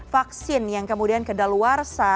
vaksin yang kemudian kedaluarsa